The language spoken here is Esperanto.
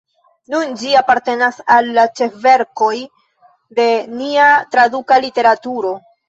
Nun ĝi apartenas al la ĉefverkoj de nia traduka literaturo.